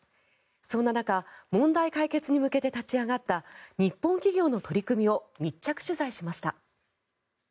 そんな中問題解決に向けて立ち上がった日本企業の取り組みを密着取材しました。